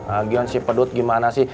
agian si pedut gimana sih